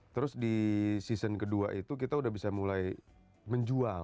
terus di season kedua itu kita udah bisa mulai menjual